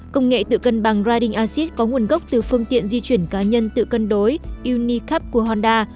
công nghệ tự cân bằng riding acid có nguồn gốc từ phương tiện di chuyển cá nhân tự cân đối unicab của honda